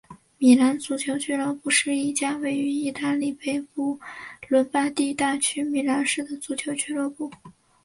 米兰足球俱乐部是一家位于义大利北部伦巴第大区米兰市的足球俱乐部。